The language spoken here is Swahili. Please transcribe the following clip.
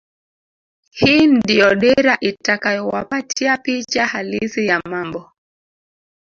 Hii ndio dira itakayowapatia picha halisi ya mambo